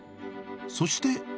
そして。